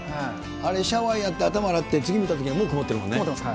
あれ、シャワーやって、頭洗って、次見たときは、くもってます。